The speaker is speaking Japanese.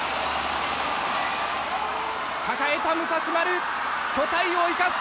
抱えた武蔵丸、巨体を生かす。